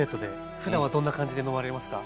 ふだんはどんな感じで飲まれますか？